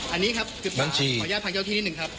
อันนี้ครับคือภรรยาภังเจ้าที่นิดหนึ่งครับ